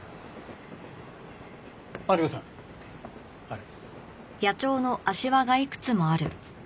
マリコさんあれ。